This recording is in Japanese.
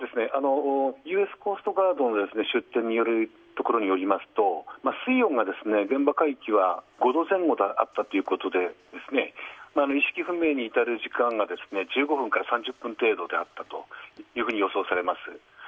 ユースコーストガードの出典によりますと水温が現場海域が５度前後あったということで、意識不明に至る時間が１５分から３０分程度であったと予想されます。